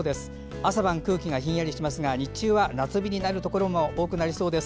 朝晩、空気がひんやりしますが日中は夏日になるところも多くなりそうです。